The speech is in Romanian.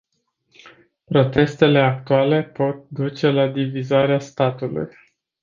Protestele actuale pot duce la divizarea statului.